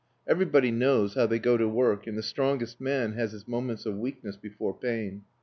Everybody knows how they go to work, and the strongest man has his moments of weakness before pain.